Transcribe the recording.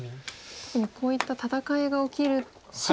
特にこういった戦いが起きると。